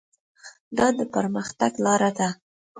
دا د پرمختګ لاره ده.